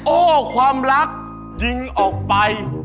โอ้ความรักยิงออกไป